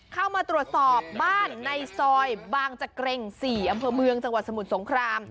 เข้ามาตรวจสอบบ้านในซอยบางจากเกรง๔อำเภอเมือง